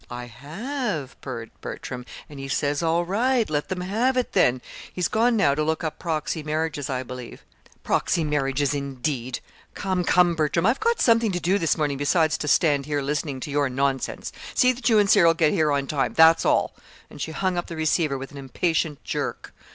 "I have," purred Bertram, "and he says all right, let them have it, then. He's gone now to look up proxy marriages, I believe." "Proxy marriages, indeed! Come, come, Bertram, I've got something to do this morning besides to stand here listening to your nonsense. See that you and Cyril get here on time that's all!" And she hung up the receiver with an impatient jerk.